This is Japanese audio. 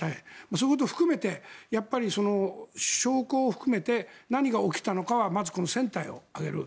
そういうことを含めて証拠を含めて何が起きたのかはまずこの船体を揚げる。